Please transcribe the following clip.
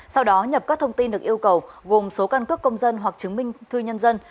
sau đó nhập các thông tin được yêu cầu gồm số căn cước công dân hoặc chứng minh thư nhân dân